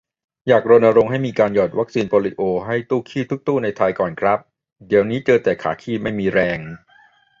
อยากรณรงค์ให้มีการหยอดวัคซีนโปลิโอให้ตู้คีบทุกตู้ในไทยก่อนครับ เดี๋ยวนี้เจอแต่ขาคีบไม่มีแรง